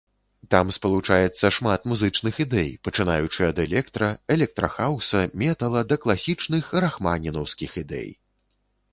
Там спалучаецца шмат музычных ідэй, пачынаючы ад электра, электрахаўса, метала да класічных, рахманінаўскіх ідэй.